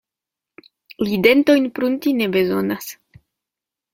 Li dentojn prunti ne bezonas.